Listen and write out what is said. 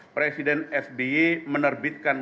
presiden sbe menerbitkan